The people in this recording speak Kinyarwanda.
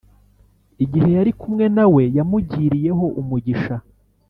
igihe yari kumwe nawe yamugiriyeho umugisha